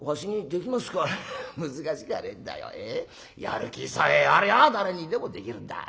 やる気さえありゃ誰にでもできるんだ。